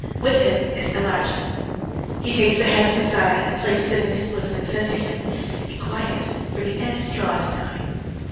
With him is Elijah. He takes the head of Messiah, and places it in his bosom, and says to him, "Be quiet, for the end draweth nigh."